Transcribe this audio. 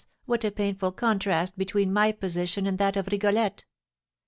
what a painful contrast between my position and that of Rigolette.